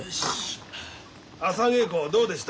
朝稽古どうでした？